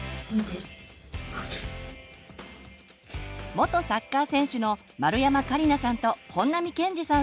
元サッカー選手の丸山桂里奈さんと本並健治さん